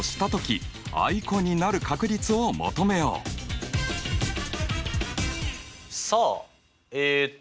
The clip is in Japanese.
えっ？さあえっと